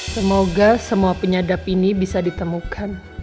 semoga semua penyadap ini bisa ditemukan